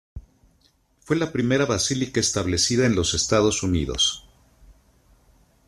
Fue la primera basílica establecida en los Estados Unidos.